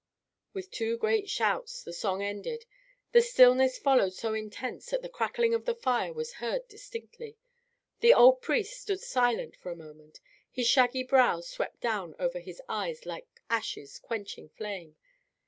With two great shouts the song ended, and stillness followed so intense that the crackling of the fire was heard distinctly. The old priest stood silent for a moment. His shaggy brows swept down ever his eyes like ashes quenching flame.